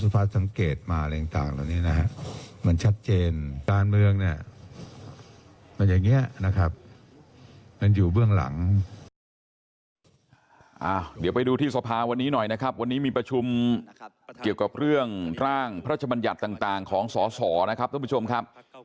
เพราะฉะนั้นสิ่งที่คุณหมอสุภาษณ์สังเกตมาอะไรอย่างต่างตอนนี้นะฮะ